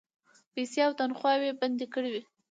پیسې او تنخواوې بندي کړې.